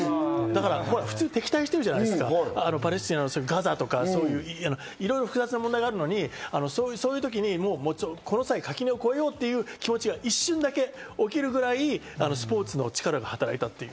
普通敵対してるじゃないですか、パレスチナのガザとか、いろいろ複雑な問題があるのに、そういう時にこの際、垣根を越えようという気持ちが一瞬だけ起きるぐらい、スポーツの力が働いた。